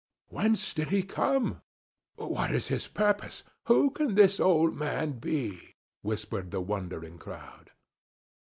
"Whence did he come? What is his purpose? Who can this old man be?" whispered the wondering crowd.